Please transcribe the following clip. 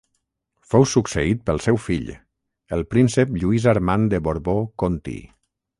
Fou succeït pel seu fill, el príncep Lluís Armand de Borbó-Conti.